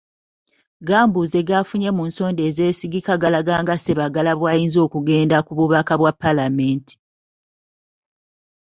Gambuuze g'afunye mu nsonda ezeesigika galaga nga Ssebaggala bw'ayinza okugenda ku bubaka bwa Paalamenti.